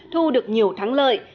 thu được nhiều thắng lợi